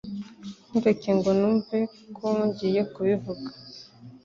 Ntureke ngo numve ko wongeye kubivuga.